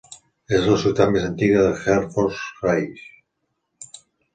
És la ciutat més antiga de Hertfordshire.